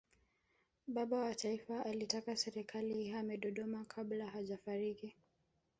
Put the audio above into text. baba wa taifa alitaka serikali ihamie dodoma kabla hajafariki